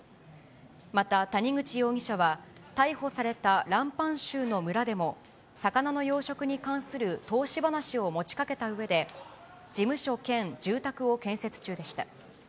また、谷口容疑者は、逮捕されたランパン州の村でも、魚の養殖に関する投資話を持ちかけたうえで、事務所兼住宅を建設中でした。